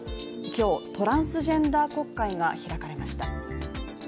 今日、トランスジェンダー国会が開かれました。